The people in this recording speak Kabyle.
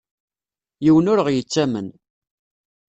Yiwen ur ɣ-yettamen.